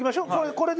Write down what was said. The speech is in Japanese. これで。